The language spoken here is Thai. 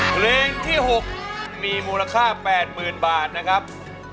เพลงที่๖มีมูลค่า๘๐๐๐บาทนะครับ